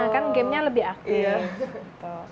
kan gamenya lebih aktif